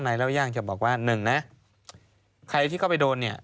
ในเล่าย่างจะบอกว่า๑ใครที่เข้าไปโดน